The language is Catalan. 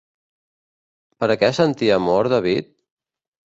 Per a què sentia amor David?